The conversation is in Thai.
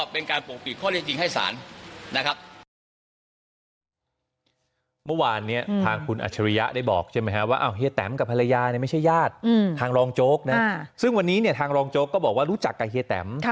เป็นตัวการร่วม